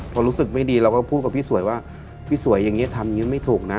พอรู้สึกไม่ดีเราก็พูดกับพี่สวยว่าพี่สวยอย่างนี้ทำอย่างนี้ไม่ถูกนะ